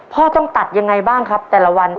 ต้องตัดยังไงบ้างครับแต่ละวัน